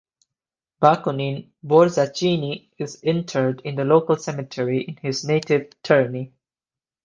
Baconin Borzacchini is interred in the local cemetery in his native Terni.